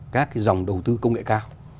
các dòng đầu tư công nghệ cao